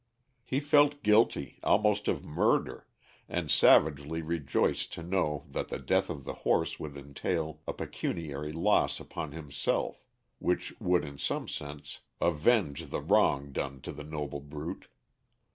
He felt guilty, almost of murder, and savagely rejoiced to know that the death of the horse would entail a pecuniary loss upon himself, which would in some sense avenge the wrong done to the noble brute.